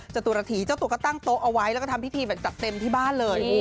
จตุรฐีเจ้าตัวก็ตั้งโต๊ะเอาไว้แล้วก็ทำพิธีแบบจัดเต็มที่บ้านเลย